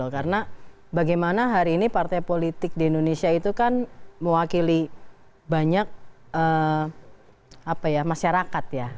karena bagaimana hari ini partai politik di indonesia itu kan mewakili banyak masyarakat ya